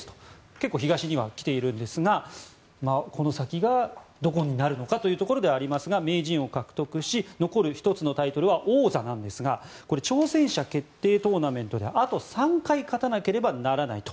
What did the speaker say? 結構、東には来ているんですがこの先がどこになるのかというところではありますが名人を獲得し残る１つのタイトルは王座なんですがこれ、挑戦者決定トーナメントであと３回勝たなければならないと。